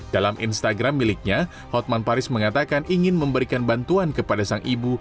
dalam instagram miliknya hotman paris mengatakan ingin memberikan bantuan kepada sang ibu